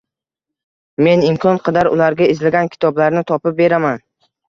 Men imkon qadar ularga izlagan kitoblarini topib beraman.